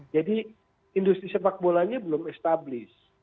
jadi industri persepakbolanya belum established